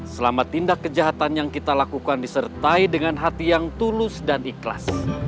selama tindak kejahatan yang kita lakukan disertai dengan hati yang tulus dan ikhlas